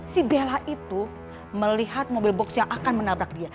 si bella itu melihat mobil box yang akan menabrak dia